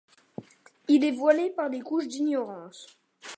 Il est voilé par des couches d'ignorance.